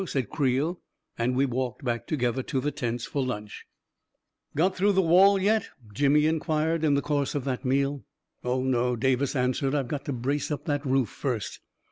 said Creel, and we walked back together to the tents for lunch. A KING IN BABYLON 333 " Got through the wall yet? " Jimmy inquired, in the course of that meal. "Oh, no," Davis answered; "I've got to brace up that roof first."